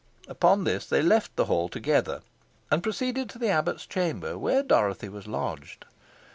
Upon this they left the hall together, and proceeded to the abbot's chamber, where Dorothy was lodged.